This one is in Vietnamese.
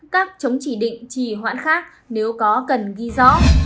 tám các chống chỉ định trì hoãn khác nếu có cần ghi rõ